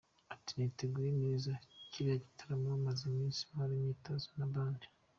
Ati « Niteguye neza kiriya gitaramo, maze iminsi nkorana imyitozo na band.